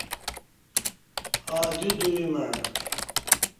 ا دیو دوی مع